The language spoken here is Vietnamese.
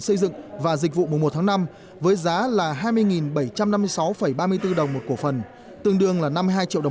xây dựng và dịch vụ mùa một tháng năm với giá là hai mươi bảy trăm năm mươi sáu ba mươi bốn đồng một cổ phần tương đương là năm mươi hai triệu đồng